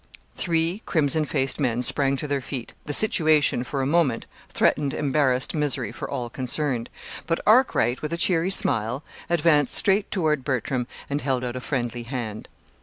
Three crimson faced men sprang to their feet. The situation, for a moment, threatened embarrassed misery for all concerned; but Arkwright, with a cheery smile, advanced straight toward Bertram, and held out a friendly hand.